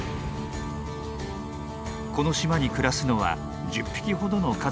この島に暮らすのは１０匹ほどの家族です。